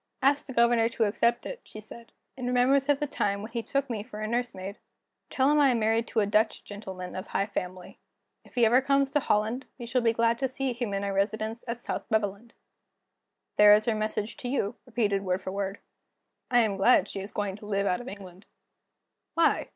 'Ask the Governor to accept it,' she said, 'in remembrance of the time when he took me for a nursemaid. Tell him I am married to a Dutch gentleman of high family. If he ever comes to Holland, we shall be glad to see him in our residence at South Beveland.' There is her message to you, repeated word for word." "I am glad she is going to live out of England." "Why?